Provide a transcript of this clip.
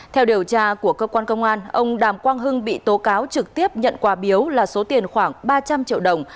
theo điều tra của cơ quan công an ông đàm quang hưng bị tố cáo trực tiếp nhận quà biếu là số tiền khoảng ba trăm linh triệu đồng